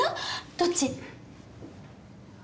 どっち？